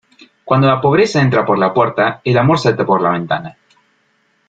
Cuando la pobreza entra por la puerta, el amor salta por la ventana.